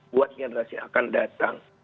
buat generasi akan datang